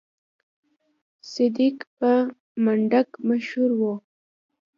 صدک پر منډک مشر و.